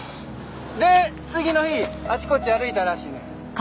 で次の日あちこち歩いたらしいねん。